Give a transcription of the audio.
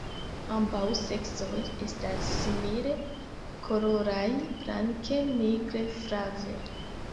Ambaŭ seksoj estas simile koloraj, blanke, nigre, flave.